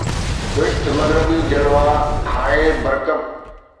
بهشت مغربي جلوه هاي برکب